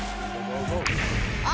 あ！